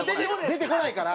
出てこないから？